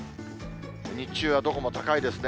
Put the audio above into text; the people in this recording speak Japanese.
日中はどこも高いですね。